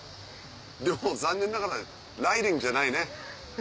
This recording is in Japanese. でも残念ながらライディングじゃないね。